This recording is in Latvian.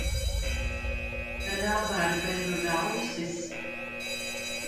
Rabarberu rausis.